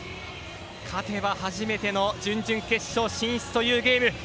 勝てば初めての準々決勝進出というゲーム。